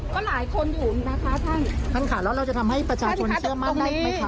ก็หลายคนอยู่นะคะท่านท่านค่ะแล้วเราจะทำให้ประชาชนเชื่อมั่นได้อีกไหมคะ